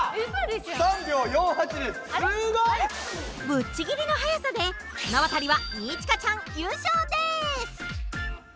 ぶっちぎりの速さで綱渡りは二千翔ちゃん優勝です！